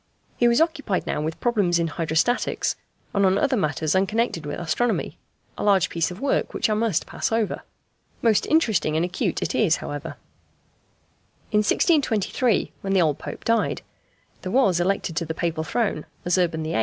He was occupied now with problems in hydrostatics, and on other matters unconnected with astronomy: a large piece of work which I must pass over. Most interesting and acute it is, however. In 1623, when the old Pope died, there was elected to the Papal throne, as Urban VIII.